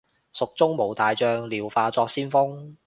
蜀中無大將，廖化作先鋒